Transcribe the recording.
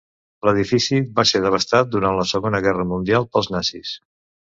L'edifici va ser devastat durant la Segona Guerra Mundial pels nazis.